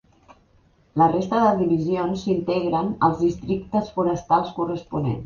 La resta de Divisions s'integren als Districtes Forestals corresponents.